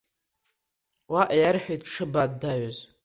Уаҟа иарҳәеит дшыбаандаҩыз.